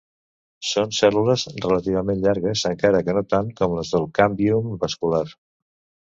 Són cèl·lules relativament llargues, encara que no tant com les del càmbium vascular.